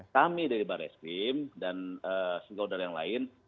kami dari barreskrim dan singkong darah yang lain